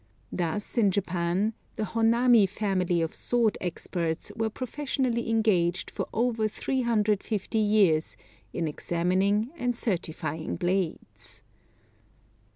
Thus, in Japan, the Honami family of sword experts were professionally engaged for over 350 years in examining and certifying blades.